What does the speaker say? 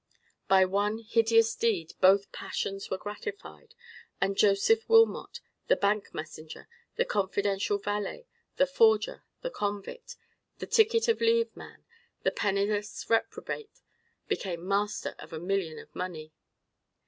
By one hideous deed both passions were gratified; and Joseph Wilmot, the bank messenger, the confidential valet, the forger, the convict, the ticket of leave man, the penniless reprobate, became master of a million of money.